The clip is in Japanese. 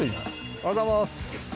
おはようございます。